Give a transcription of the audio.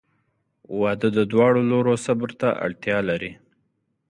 • واده د دواړو لورو صبر ته اړتیا لري.